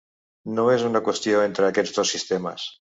No és una qüestió entre aquests dos sistemes.